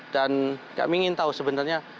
dan kami ingin tahu sebenarnya